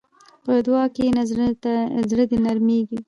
په دعا کښېنه، زړه دې نرمېږي.